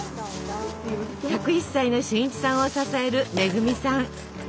１０１歳の俊一さんを支える恵さん。